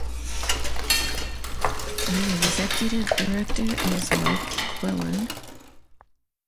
The Executive Director is Mike Quillen.